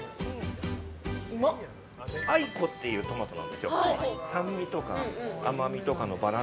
アイコっていうトマトなんですよ